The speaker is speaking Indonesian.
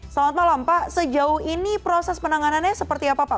selamat malam pak sejauh ini proses penanganannya seperti apa pak